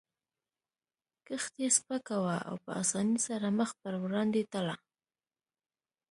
کښتۍ سپکه وه او په اسانۍ سره مخ پر وړاندې تله.